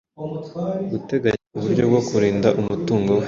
guteganya uburyo bwo kurinda umutungo we